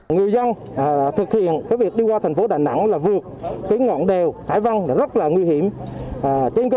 người dân thực hiện việc đi qua thành phố đà nẵng là vượt ngọn đèo hải vân rất là nguy hiểm trên cơ